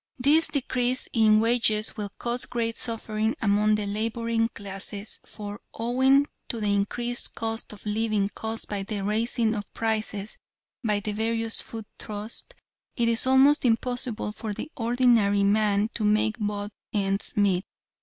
This decrease in wages will cause great suffering among the laboring classes, for, owing to the increased cost of living caused by the raising of prices by the various food trusts, it is almost impossible for the ordinary man to make both ends meet.